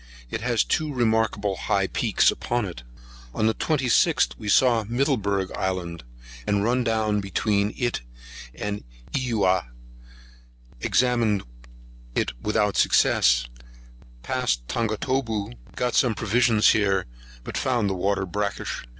It has two remarkable high peaks upon it. On the 26th, we saw Middleburg Island, and run down between it and Euah; examined it without success; passed Tongatabu; got some provisions here, but found the water brackish.